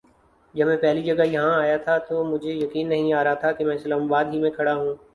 جب میں پہلی جگہ یہاں آیا تھا تو مجھے بھی یقین نہیں آ رہا تھا کہ میں اسلام آباد ہی میں کھڑا ہوں ۔